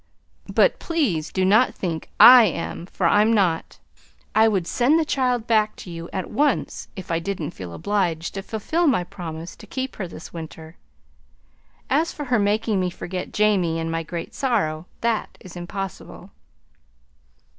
But please do not think I am, for I'm not. I would send the child back to you at once if I didn't feel obliged to fulfil my promise to keep her this winter. As for her making me forget Jamie and my great sorrow that is impossible.